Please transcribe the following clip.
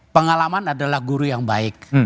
pengalaman adalah guru yang baik